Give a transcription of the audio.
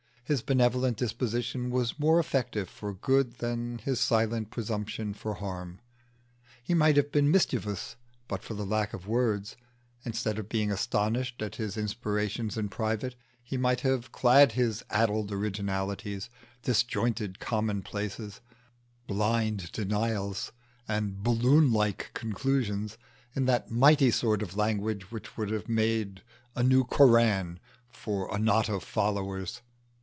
His benevolent disposition was more effective for good than his silent presumption for harm. He might have been mischievous but for the lack of words: instead of being astonished at his inspirations in private, he might have clad his addled originalities, disjointed commonplaces, blind denials, and balloon like conclusions, in that mighty sort of language which would have made a new Koran for a knot of followers.